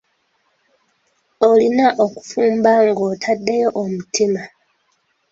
Olina okufumba ng'otaddeyo omutima.